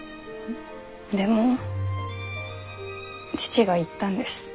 でも父が言ったんです。